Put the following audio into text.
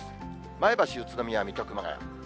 前橋、宇都宮、水戸、熊谷。